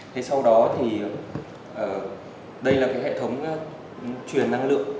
thế sau đó thì đây là cái hệ thống truyền năng lượng